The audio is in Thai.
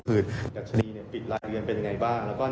ก็คือดัชนีปิดรายเดือนเป็นไงบ้าง